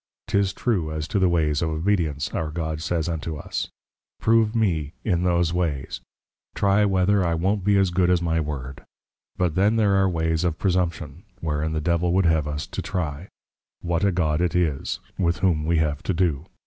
'Tis true as to the ways of Obedience, our God says unto us, Prove me, in those ways; Try, whether I won't be as good as my Word. But then there are ways of Presumption, wherein the Devil would have us to trie, what a God it is, With whom we have to do.